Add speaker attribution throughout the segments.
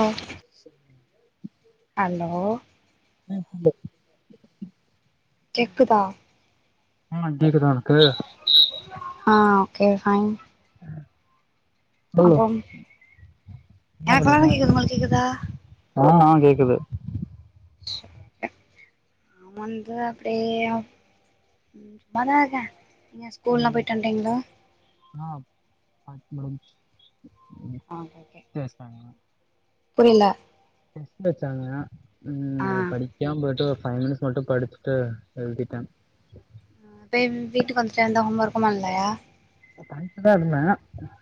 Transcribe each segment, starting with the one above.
Speaker 1: ஓ hello
Speaker 2: [unintelligible]
Speaker 1: கேக்குதா
Speaker 2: ஆஹ் ‌கேக்குதா உனக்கு
Speaker 1: ஆ ஓக்கே ஃபைன்
Speaker 2: சொல்லு
Speaker 1: அப்றோம் எனக் இப்தா கேக்குது உங்களுக் கேக்குதா
Speaker 2: ஆஹ் ஹா கேக்குது
Speaker 1: வந்தது அப்டியே ம் சும்மாதா இக்க நீங்க ஸ்கூல்லா
Speaker 2: ம்
Speaker 1: பொய்ட்டு வன்டீங்ளா
Speaker 2: ஆ [unintelligible]
Speaker 1: ஆ
Speaker 2: டெஸ்ட் வச்சாங்க
Speaker 1: புரில
Speaker 2: டெஸ்ட்டு வெச்சாங்க உம்
Speaker 1: ஆ
Speaker 2: அத படிக் க்யாம் போய்ட்டு ஒரு ஃபைவை மினிட்ஸ் மட்டு படிச்சிட்டு எழ்திட்ட
Speaker 1: இப்ப வ்வீட்டுக்கு வந்துட்டு எந்த ஹோம் ஒர்க்கு பண்லய
Speaker 2: இப்ப எழுதன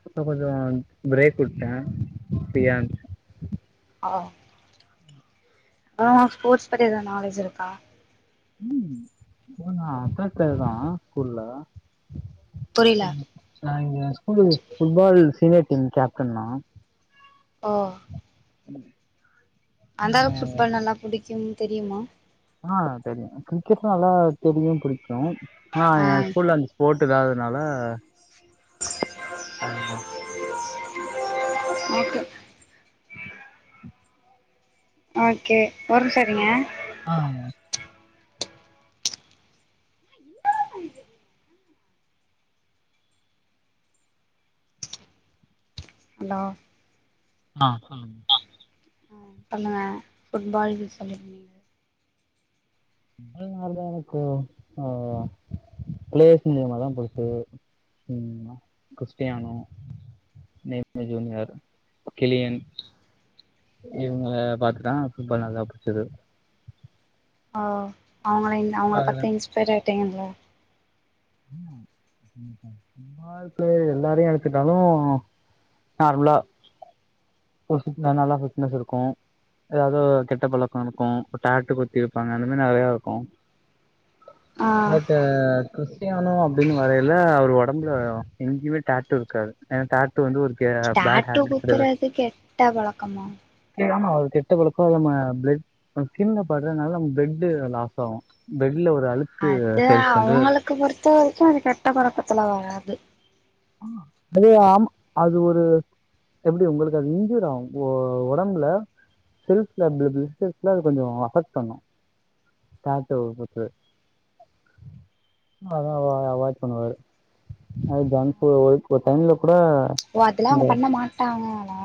Speaker 2: இப்ப கொஞ்சோ பிரேக் விட்டே ப்ரீயா
Speaker 1: ஆ அ ஸ்போர்ட்ஸ் பத்தி எதா நாலேஜ் இருக்கா
Speaker 2: உம் [unintelligible] ஸ்கூல்ல
Speaker 1: புரியல
Speaker 2: ம் நா இங்க school football senior team captain நா
Speaker 1: ஓ
Speaker 2: [inaudible]
Speaker 1: அந்த அளவுக் ஃபுட்பால் நல்லா புடிக்கும் தெரியுமா
Speaker 2: ஆ தெரியு கிரிக்கெட்ல நல்லா தெரியு புடிக்கு ஆ ஏ ஸ்கூல்ல அந் ஸ்போட்டு இல்லாதுனால
Speaker 1: ஓக்கே ஓக்கே ஒரும்சருங்க
Speaker 2: ஆ வாங்க
Speaker 1: ஹலோ
Speaker 2: ஆ சொல்லுங்க
Speaker 1: ஆ பண்ணுங்க ஃபுட்பால்ன்னு சொல்லிருந்தி
Speaker 2: [inaudible] ப்ளேயர்ஸ் முலிமா தா பெருசு ம் கிஸ்டியானோ [inaudible] ஜூனியர் கிளியன் இவங்கள பாத்துதா ஃபுட்பால் நல்லா புடிச்சிது
Speaker 1: அ அவுங்களை இன் அவுங்கள
Speaker 2: அதுல
Speaker 1: பாத்து தா இன்ஸ்பைர் ஆகிட்டிங்கா இல்ல
Speaker 2: [inaudible] ஃபுட்பால் பிளேயர் எல்லாரையு எடுத்துட்டாலு நார்முல [unintelligible] நல்லா ஃபிட்னஸ்ருக்கு ஏதாவுது ஓ கெட்ட பழக்கோருக்கு இப்ப டாட்டூ குத்திருப்பாங்க அந்த மாரி நெறையாருக்கு
Speaker 1: ஆ
Speaker 2: பட் அ கிறிஸ்டியானோ அப்டின்னு வரையில அவ்ரு ஒடம்புல எங்கியுமே டாட்டூருக்காது ஏன டாட்டூ வந்து ஒரு கே பேட் ஹாபிட் கடையாது
Speaker 1: ட்ட பழக்க
Speaker 2: ஏ ஆமா அது கெட்ட பழக்கோ நம்ம பிளட் அ ஸ்கின்ல படுறனால நம்ம பிளட்டு லாஸ் ஆவு பிளட்ல ஒரு அழுக்
Speaker 1: அது அவுங்களுக்கு பொறுத்த வரைக்கு அது கெட்ட பழக்கத்துல வராது
Speaker 2: அது ஆம் அது ஒரு எப்டி உங்களுக்கு அது இன்ஜூர் ஆவு ஓ ஒடம்புல செல்ஸ்ல அது பிள பிளட் செல்ஸ் அது கொஞ்சோ அபெக்ட் பண்ணு டாட்டூ அவ்ரு குத்து அதா அவ அவாய்ட் பண்ணுவாரு [unintelligible] ஸோ ஒரு டைம்ல கூட
Speaker 1: ஓ அதுல்லா
Speaker 2: இந்த
Speaker 1: அவுங்க பண்ண மாட்டாங்களா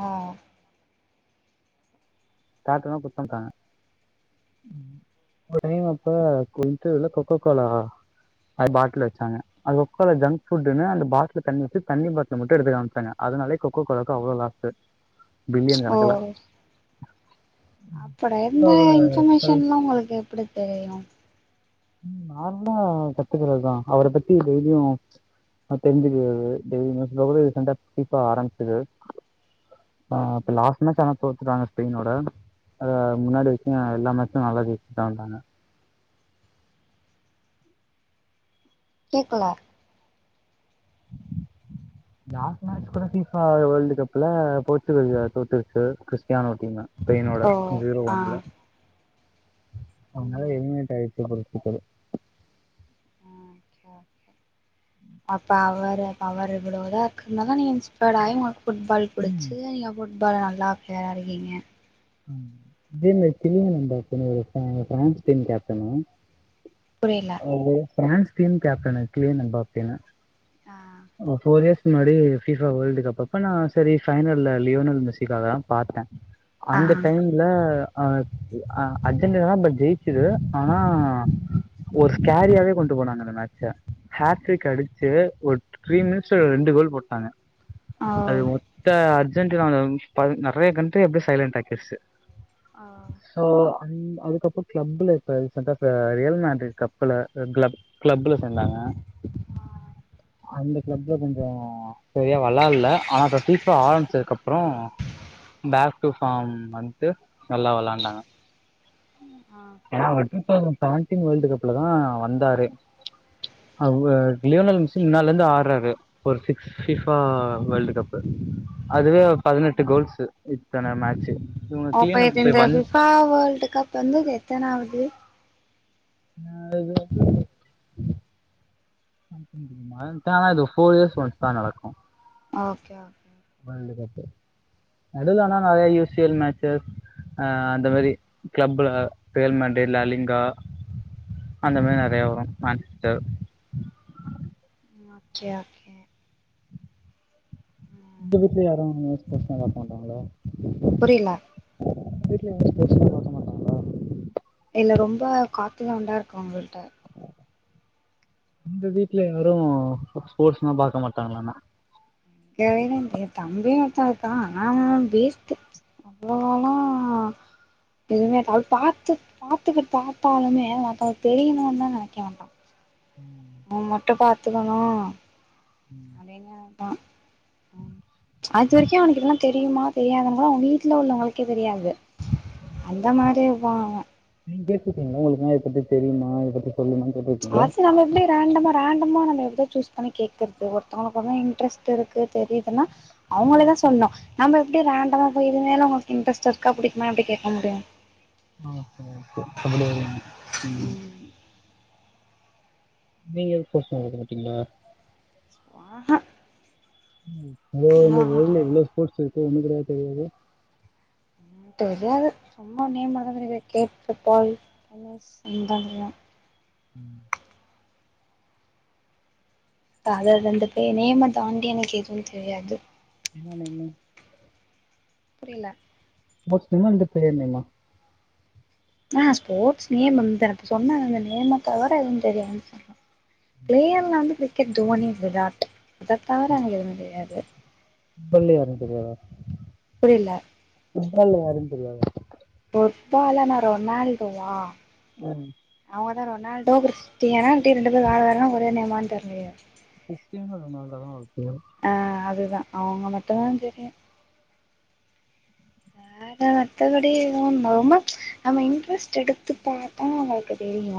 Speaker 2: டாட்டூ லா குத்த மாட்டாங்க ம் ஒரு டைம் அப்ப [unintelligible] கொக்க கோலா அது பாட்டில்ல வச்சாங்க அது கொக்ககோலா ஜங்க் ஃபுட்ன்னு அந்த பாட்டிலு தண்ணி வச்சு தண்ணி பாட்டில மட்டு எடுத்து காமிச்சுட்டாங்க அதுனாலயே கொக்க கோலாவுக்கு அவ்வளோ லாஸ்ஸு பில்லியன் கணக்குல
Speaker 1: அப்பட இந்த
Speaker 2: அவர
Speaker 1: இன்ஃபர்மேஷன் லா உங்களுக்கு எப்டி தெரியு
Speaker 2: ம் நார்மலா கத்துக்கறதுதா அவ்ர பத்தி டெய்லியு ஆ தெரிஞ்சிது அது டெய்லி நியூஸ்ல [unintelligible] ரீசண்டா ஃபிஃபா ஆரம்பச்சுது ஆ
Speaker 1: ம்
Speaker 2: இப்ப லாஸ் [unintelligible] தோத்துட்டாங்க ஸ்பெயினோட அத முன்னாடி வரைக்கு எல்லா மேட்ச்சு நல்லா ஜெயிச்சுடு தா வந்தாங்க
Speaker 1: கேக்குல
Speaker 2: லாஸ்ட் மேட்ச் கூட ஃபிஃபா வேர்ல்ட் கப்ல போர்ச்சுகல் தோத்துருச்சு கிறிஸ்டியானோ டீம்ம ஸ்பெய்னோட
Speaker 1: ஓ
Speaker 2: ஜீரோ
Speaker 1: ஆ
Speaker 2: ஒன்ல அவ்னால
Speaker 1: ம்
Speaker 2: எலிமினேட் ஆய்டுச்ச போர்ச்சுக்கல் [inaudible]
Speaker 1: அப்போ அவ்ர அவ்ரு இவ்ளோ இதா இருக்கனால தா நீங்க இன்ஸ்பயர்ட ஆய் உங்களுக் ஃபுட்பால்
Speaker 2: ம்
Speaker 1: புடிச்சு நீங்க ஃபுட்பால் நல்லா பிளேயரா இருக்கீங்க
Speaker 2: ம் [inaudible] கேப்டன்னு
Speaker 1: புரியிலா
Speaker 2: அது பிரான்ஸ் டீம் கேப்டன்னு கிலியன்
Speaker 1: ஆ
Speaker 2: [unintelligible] ஃபோர் இயர்ஸ் முன்னடி ஃபீஃபா வேர்ல்டு கப் அப்ப நா செரி ஃபைனல்ல லியோனல் மெஸிக்காக தா பாத்தே
Speaker 1: ஆ
Speaker 2: அந்த டைம் இல்ல அஹ் ஆ அர்ஜென்டினா தா இப்ப ஜெ ஒரு ஸ்கேரியாவே கொண்டு போனாங்க அந்த மேச்ச ஹேட்ரிக் அடிச்சு ஒரு த்ரீ மினிட்ஸ் ரெண்டு கோல் போட்டாங்க
Speaker 1: ஓ
Speaker 2: அது ட அர்ஜென்டினா
Speaker 1: ஓ
Speaker 2: ஓ அன் அதுக்கப்புறம கிளப்புல இப்ப ரீசென்ட்டா [unintelligible] கப்புல கிளப் கிளப்ல சேந்தாங்க
Speaker 1: ஆ
Speaker 2: அந்த கிளப்ல கொஞ்சம் சரியா வெளாடல ஆனா இப்ப சீச ஆரம்பிச்சதுக்குப்புறம் பேக் டூ ஃபாம் வந்த நல்லா விளாண்டாங்க
Speaker 1: ஆ ஓகே
Speaker 2: ஏன
Speaker 1: ஓகே
Speaker 2: [unintelligible] சாட்டிங் வேர்ல்டு கப்ல தான் வந்தாரு அவரு லியோனல் மிசன் முன்ல இருந்து ஆறாரு ஒரு சிக்ஸ் ஃபா வேர்ல்டு கப் அதுவே
Speaker 1: ஓகே.
Speaker 2: பதினெட்டு கோல்ஸ் இத்தனை மேச்சு
Speaker 1: ஓப்ப இந்த பிபா வர்ல்ட் கப் வந்துது எத்தன ஆவது
Speaker 2: நான்து [unintelligible] இது ஃபோர் இயர்ஸ் வந்து தான் நடக்கும்
Speaker 1: ஓகே ஓகே
Speaker 2: வேர்ல்டு கப் எடுலனா நிறைய யூசிஎல் மேச்சஸ் அஹ் அந்த மாதிரி கிளப்ல வேல் மாண்டல லிங்கா அந்த மாதிரி நிறைய வரும் [unintelligible] நனுட்ட
Speaker 1: ஓகே ஓகே உம்
Speaker 2: இந்த வீட்டுல யாரும் [unintelligible] மாட்டாங்களா
Speaker 1: புரியலா
Speaker 2: வீட்ல [unintelligible]
Speaker 1: இல்ல ரொம்ப காத்துதான் உண்டா இருக்கும் உங்கள்ட்ட
Speaker 2: எந்த வீட்ல யாரும் ஸ்போர்ட்ஸ்ல்லாம் பார்க்க மாட்டாங்களானா
Speaker 1: தம்பினு ஒருத்தாவன் இருக்கான் ஆன அவ வேஸ்ட் [unintelligible] எதுவுமே பார்த்து பார்த்துக்கிட்டு பார்த்தாலுமே மற்றங்க தெரியணும்னு தான் நினைக்க வேண்டாம்
Speaker 2: ம்
Speaker 1: அவன் மட்டும் பார்த்துக்கணும்
Speaker 2: ம்
Speaker 1: [unintelligible] தெரியுமா தெரியாதவ கூட அவங்க வீட்டில் உள்ளவங்களுக்கே தெரியாது அந்த மாதிரி போங்க
Speaker 2: நீ [unintelligible] உங்களுக்குன இத பத்தி தெரியுமா இதை பத்தி சொல்லு
Speaker 1: ஆச நம எப்படி ரேண்டம ரேண்டமா நம்ம எதோ சூஸ் பண்ணி கேட்குறது ஒருத்தங்களுக்கு இன்ட்ரஸ்ட்ட் இருக்கு தெரிதுன்னா அவங்களேதான் சொல்னும் நம்ம எப்படி ரேண்டமா போய் இதுமல உங்களுக்கு இட்ரெஸ்ட் இருக்கா பிடிக்குமா எப்டி கேக்க முடியும்
Speaker 2: அ [unintelligible] உம் நீங்க [unintelligible] மாட்டீங்களா
Speaker 1: ஆஹா
Speaker 2: ஓ இந்த பவுல்ல இவ்ளோ ஃபோர்ஸ் [unintelligible] தெரியுது
Speaker 1: தெரியாது சும்மா நேம் ஏதாவது கேட்டு [unintelligible]
Speaker 2: ம்
Speaker 1: அதது அது அந்த பே நேம தாண்டி எனக்கு எதுவும் தெரியாது
Speaker 2: என்ன என்ன
Speaker 1: புரியல
Speaker 2: பஸ் நேமா இல்ல பேர் நேமா
Speaker 1: ஆ ஸ்போர்ட்ஸ் நேம் இந்த இப்ப சொன்னாங்க அந்த நேம தவர எதுவு தெரியாதுனு சொன்னா ப்ளேயர்ல வந்து க்ரிக்கெட் தோனி விராட் அத தவர எனக்கு எதுவு தெரியாது
Speaker 2: பள்ளி யாருனு தெரியாதா
Speaker 1: புரில
Speaker 2: ஃபுட்பால்ல யாருனு தெரியாதா
Speaker 1: ஃபுட்பாலனா ரொனால்டோவா
Speaker 2: ம்
Speaker 1: அவுங்கதா ரொனால்டோ க்ரிஸ்டியனா அப்டி ரெண்டு பேரு வேர வேரனு ஒரே நேமானு தெர்லயே
Speaker 2: க்ரிஸ்டியனா ரொனால்டோதா அவரு பேரு
Speaker 1: ஆ அதுதா அவுங்க மட்டுந்தா தெரியு வேற மத்தபடி எதுவு ரொம்ப நம்ம இன்ட்ரெஸ்ட் எடுத்து பாத்தா அவங்ளுக்கு தெரியு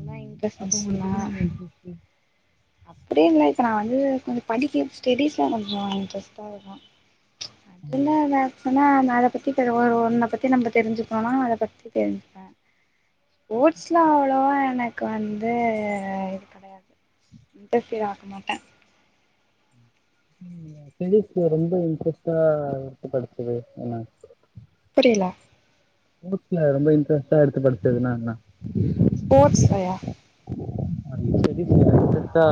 Speaker 2: ம்
Speaker 1: இன்ட்ரெஸ்ட்
Speaker 2: அப்ப உங்களுக்கு
Speaker 1: இருந்துச்சுன்னா
Speaker 2: எது மேல இன்ட்ரெஸ்ட்
Speaker 1: அப்டின் இல்ல இப்ப நா வந்து கொஞ்ச படிக்க ஸ்டடீஸ்ல கொஞ்சோ இன்டரஸ்ட்டா வருவா அதுல மேக்ஸ் ஆனா நா அத பத்தி தெ ஒரு ஒன்ன பத்தி நம்ப தெரிஞ்சுக்கணுனா அத பத்தி தெரிஞ் ஸ்போர்ட்ஸ்லா அவ்ளோவா எனக்கு வந்து கெடையாது இன்டர்ஃபியர் ஆக்க மாட்டே
Speaker 2: ம் சிவிக்ஸ் ரொம்ப இன்ட்ரெஸ்ட்டா படிச்சிங்கன் சொன்னாங்க
Speaker 1: புரில
Speaker 2: ஸ்போர்ட்ஸ்ல ரொம்ப இன்ட்ரெஸ்டா எடுத்து படிச்சதுனா என்ன
Speaker 1: ஸ்போர்ட்ஸ்லயா
Speaker 2: [unintelligible] அர்ஜெண்டா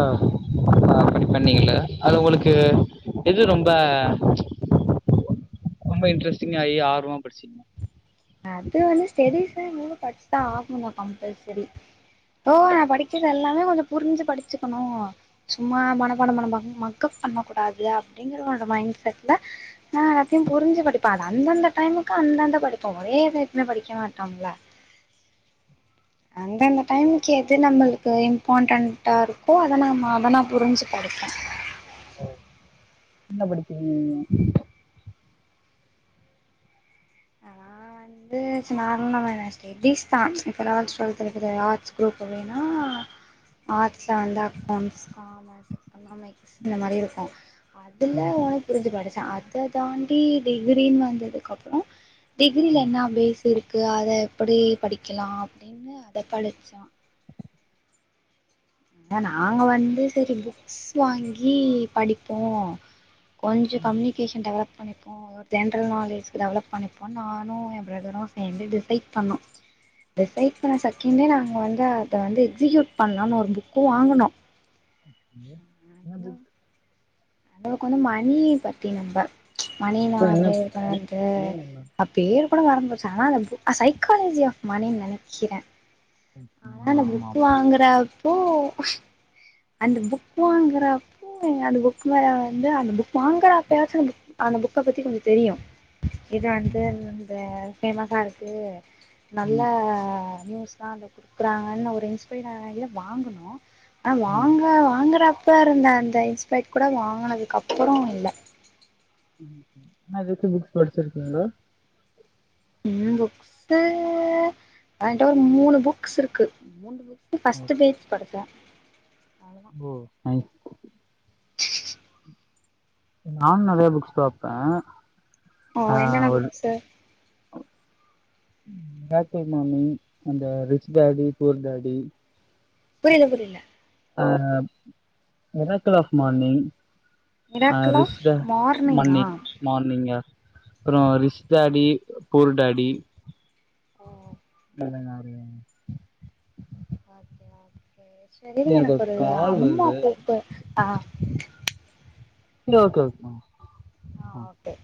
Speaker 2: படிப்பண்ணீங்கல்ல அது உங்களுக்கு எது ரொம்ப ரொம்ப இன்ட்ரெஸ்டிங் ஆயி ஆர்வமா படிச்சிங்க
Speaker 1: அது வந்து ஸ்டெடிஸ்ல மூணு படிச்சுதா ஆகனு கம்பல்சரி ஓ நா படிக்கிறது எல்லாமே கொஞ்ச புரிஞ்சு படிச்சுக்கணு சும்மா மன பான மன ம மக்கப் பண்ண கூடாது அப்டிங்கற ஒரு மைண்ட் செட்ல நா எல்லாத்தையு புரிஞ்சு படிப்ப அது அந்தந்த டைமுக்கு அந்தந்த படிப்பு ஒரே தைத்ல படிக்க மாட்டோம்ல அந்தந்த டைமுக்கு எது நம்மளுக்கு இம்பார்ட்டன்டா இருக்கோ அத நம் அத நா புரிஞ்சு படிப்பே
Speaker 2: ஓ என்ன படிப்பிங் நீங்க
Speaker 1: ந்து நானு ச [unintelligible] எத்திஸ் தா இப்ப நா சொல்றது எப்டினா ஆர்ட்ஸ் குரூப் இல்லன்னா ஆர்ட்ஸ்ல வந்து அக்கெளண்ட்ஸ் காமர்ஸ் எக்கனாமிக்ஸ் இந்த மாரி இருக்கு அதல உன புரிஞ்சு படிச்சே அத தாண்டி டிகிரின்னு வந்ததுக்கு அப்றோ டிகிரில என்னா பேஸ் இருக்கு அத எப்படி படிக்கலா அப்டின்னு அத படிச்சே ஏ நாங்க வந்து செரி புக்ஸ் வாங்கி படிப்போ கொஞ்சோ கம்னிகேஷன் டெவலப் பண்ணிப்போ ஜென்ரல் நாலேஜ்க்கு டெவலப் பண்ணிப்போ நானு எ ப்ரதரு சேந்து டிசைட் பண்ணோ டிசைட் பண்ண சகண்டே நாங்க வந்து அத வந்து எக்ஸிக்யூட் பண்லானு ஒரு புக்கு வாங்குனோ
Speaker 2: ம் என்ன புக்
Speaker 1: அந்தளவுக்கு வந்து மணி பத்தி நம்ப மணிலா
Speaker 2: என்ன
Speaker 1: அப்டியே
Speaker 2: புக்
Speaker 1: வந்து
Speaker 2: நேம் என்ன
Speaker 1: அ பேர் கூட மறந்து போச்சு ஆனா வந்து சைக்காலஜி ஆஃப் மணினு நெனைக்கிறே ஆனா அந்த
Speaker 2: ஆமா
Speaker 1: புக்
Speaker 2: ஆமா
Speaker 1: வாங்றப்போ அந்த புக் வாங்றப் அந்த புக் மேல வந்து அந்த புக் வாங்குற அப்பயாச்சு அந்த பு அந்த புக்க பத்தி கொஞ்ச தெரியு இது வந்து இந்த ஃபேமஸா இருக்கு நல்ல
Speaker 2: ம்
Speaker 1: நியூஸ்தா அந்த புக் டுக்கறாங்கன்னு ஒரு இன்ஸ்பையராயி வாங்குணு ஆனா
Speaker 2: ம்
Speaker 1: வாங்க வாங்கறப் ப்போ இருந்த அந்த இன்ஸ்பைட் கூட வாங்கினதுக்கப்பறோ இல்ல
Speaker 2: ம் ம் இன்ன எதுக்கு புக்ஸ் படிச்சிருக்கீங்க
Speaker 1: ம் புக்ஸு என்ட ஒரு மூனு புக்ஸ் இருக்கு ஃபஸ்ட்டு பேஜ் படிச்சே அவ்ளோதா
Speaker 2: ஓ நைஸ் நானு நெறைய புக்ஸ் பாப்பே அ
Speaker 1: ஓ என்னென்ன
Speaker 2: ஒரு
Speaker 1: புக்ஸு
Speaker 2: ம் ஹாப்பி மார்னிங் அந்த ரிச் டாடி புவர் டாடி
Speaker 1: புரில புரில
Speaker 2: அ எராக் கிளாஸ் மார்னிங் அ
Speaker 1: மிராக்கிள் ஆஃப்
Speaker 2: ரிஷ்த
Speaker 1: மார்னிங்கா
Speaker 2: மன்னின் மார்னிங்கா அப்றோ ரிஷ் டாடி கூல் டாடி
Speaker 1: ஓ
Speaker 2: [unintelligible]
Speaker 1: ஓகே ஓகே செரி எனக்கு ஒரு அம்மா கூப்பு ஆ
Speaker 2: ஓகே ஓகே
Speaker 1: ஆ ஓகே